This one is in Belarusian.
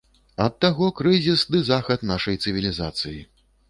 Ад таго крызіс ды захад нашай цывілізацыі.